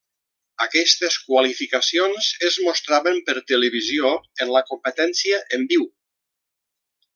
Aquestes qualificacions es mostraven per televisió en la competència en viu.